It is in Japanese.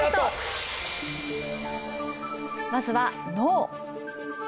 まずは脳。